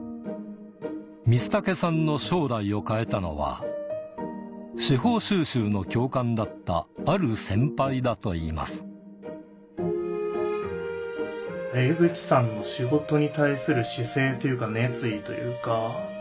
光武さんの将来を変えたのは司法修習の教官だったある先輩だといいます江口さんの仕事に対する姿勢っていうか熱意というか。